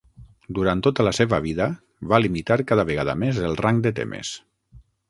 Durant tota la seva vida, va limitar cada vegada més el rang de temes.